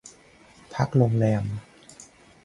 พักโรงแรม